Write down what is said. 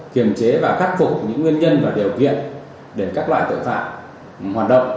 kiềm chế và khắc phục những nguyên nhân và điều kiện để các loại tội phạm hoạt động